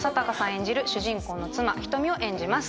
演じる主人公の妻ひとみを演じます。